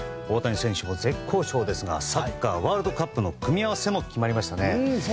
大谷選手も絶好調ですがサッカーワールドカップの組み合わせも決まりましたね。